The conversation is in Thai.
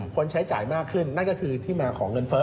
ใช้จ่ายมากขึ้นนั่นก็คือที่มาของเงินเฟ้อ